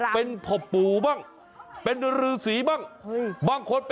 เป็นพพปู่บ้างเป็นฤษีบ้าง